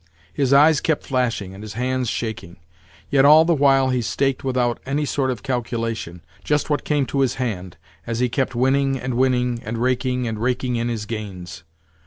His eyes kept flashing, and his hands shaking; yet all the while he staked without any sort of calculation—just what came to his hand, as he kept winning and winning, and raking and raking in his gains.